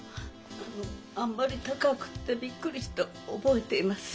あのあんまり高くてびっくりしたのを覚えています。